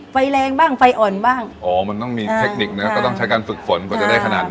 ไฟแรงบ้างไฟอ่อนบ้างอ๋อมันต้องมีเทคนิคนะก็ต้องใช้การฝึกฝนกว่าจะได้ขนาดนี้